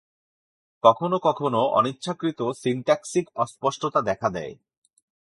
কখনও কখনও অনিচ্ছাকৃত সিনট্যাক্সিক অস্পষ্টতা দেখা দেয়।